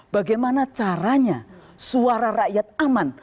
bagaimana caranya suara rakyat aman